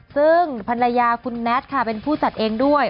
ซึ่งภรรยาคุณแน็ตค่ะเป็นผู้จัดเองด้วย